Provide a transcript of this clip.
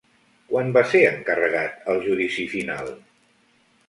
Quan va ser encarregat El Judici Final?